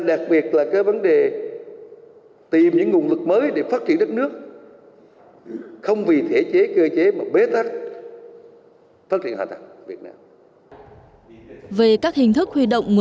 để có nguồn lực phát triển đất nước nguồn lực phát triển hạ tăng